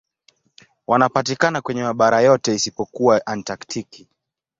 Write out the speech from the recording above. Wanapatikana kwenye mabara yote isipokuwa Antaktiki.